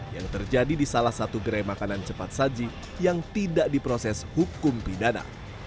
yang terjadi di salah satu gerai makanan cepat saji yang tidak diproses hukum pidana